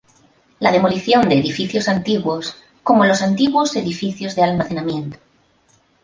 La demolición de edificios antiguos, como los antiguos edificios de almacenamiento.